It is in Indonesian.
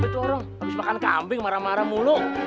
apa itu orang habis makan kambing marah marah mulu